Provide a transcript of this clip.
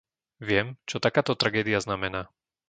Viem, čo takáto tragédia znamená.